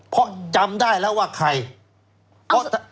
เพราะจำได้แล้วว่าใคร